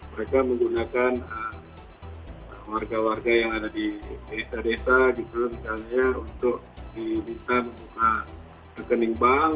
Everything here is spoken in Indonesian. mereka menggunakan warga warga yang ada di desa desa gitu misalnya untuk diminta membuka rekening bank